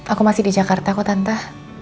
aku masih di jakarta kok tante